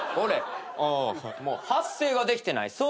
もう発声ができてない。